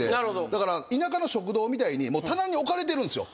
だから田舎の食堂みたいに棚に置かれてるんすよ